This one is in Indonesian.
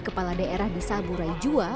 kepala daerah di saburai jua